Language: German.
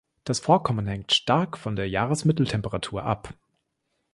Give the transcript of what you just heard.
Das Vorkommen hängt stark von der Jahresmitteltemperatur ab.